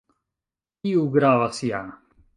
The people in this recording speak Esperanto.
Tiu gravas ja